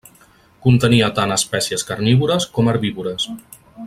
Contenia tant espècies carnívores com herbívores.